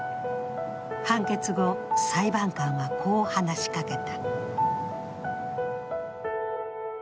判決後、裁判官はこう話しかけた。